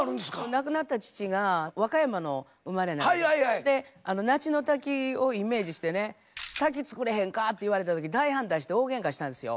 亡くなった父が和歌山の生まれなのでで那智の滝をイメージしてね「滝つくれへんか」って言われた時大反対して大げんかしたんですよ。